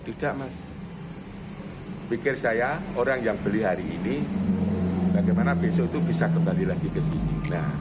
tidak mas mikir saya orang yang beli hari ini bagaimana besok itu bisa kembali lagi ke sini